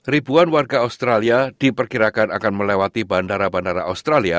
ribuan warga australia diperkirakan akan melewati bandara bandara australia